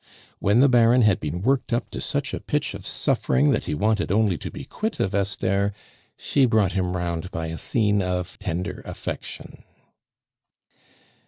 When the Baron had been worked up to such a pitch of suffering that he wanted only to be quit of Esther, she brought him round by a scene of tender affection.